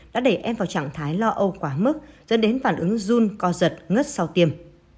đã đẩy em vào trạng thái lo âu quá mức dẫn đến phản ứng run co giật ngất sau tiêm